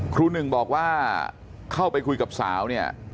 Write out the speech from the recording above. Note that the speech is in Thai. ครูหนึ่งบอกว่าเข้าไปคุยกับสาวเนี่ย